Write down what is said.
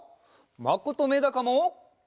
まことめだかも！